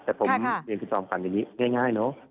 แต่ผมเรียนคุณจอมขวัญอย่างนี้ง่ายเนอะ